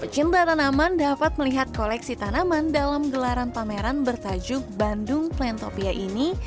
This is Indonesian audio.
pecinta tanaman dapat melihat koleksi tanaman dalam gelaran pameran bertajuk bandung plan topia ini